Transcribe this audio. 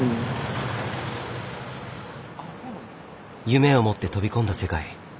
夢を持って飛び込んだ世界。